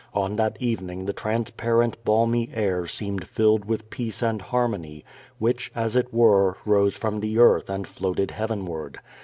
On that evening the trans parent, balmy air seemed filled with peace and harmony, wliicli, as it were, rose from the earth and floated heaven ward.